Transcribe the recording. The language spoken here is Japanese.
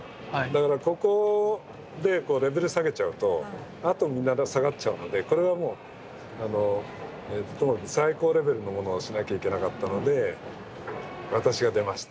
だからここでレベル下げちゃうとあとみんな下がっちゃうのでこれはもう最高レベルのものをしなきゃいけなかったので私が出ました。